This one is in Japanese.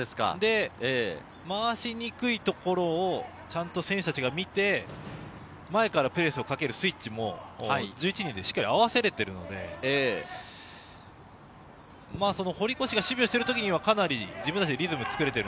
回しにくいところをちゃんと選手たちが見て、前からペースをかけるスイッチも１１人で、しっかり合わせれているので堀越が守備をしてる時には、かなり自分たちのリズムを作れている。